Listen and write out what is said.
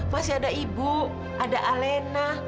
masih ada ibu ada alena